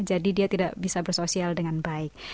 jadi dia tidak bisa bersosial dengan baik